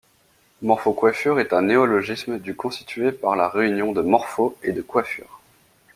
Morphocoiffure est un néologisme du constitué par la réunion de morpho et de coiffure.